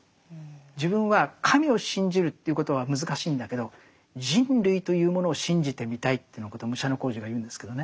自分は神を信じるということは難しいんだけど人類というものを信じてみたいというようなことを武者小路が言うんですけどね。